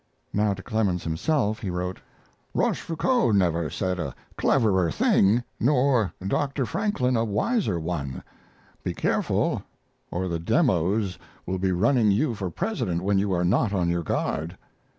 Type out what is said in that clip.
Now to Clemens himself he wrote: Rochefoucault never said a cleverer thing, nor Dr. Franklin a wiser one.... Be careful, or the Demos will be running you for President when you are not on your guard.